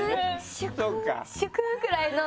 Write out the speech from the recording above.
シュクシュクくらいの。